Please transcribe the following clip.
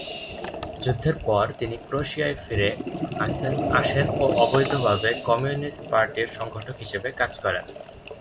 যুদ্ধের পর তিনি ক্রোয়েশিয়ায় ফিরে আসেন ও অবৈধভাবে কমিউনিস্ট পার্টির সংগঠক হিসেবে কাজ করেন।